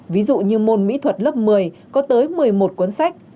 ví dụ như môn mỹ thuật lớp một mươi có tới một mươi một cuốn sách